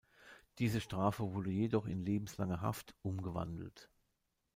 Diese Strafe wurde jedoch in lebenslange Haft umgewandelt.